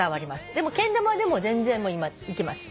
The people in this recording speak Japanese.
でもけん玉でも全然今いけます。